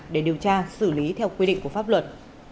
để điều tra xử lý theo quy định của pháp luật